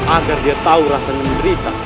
agar dia tahu rasa ngerita